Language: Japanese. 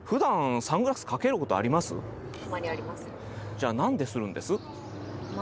じゃあ何でするんです？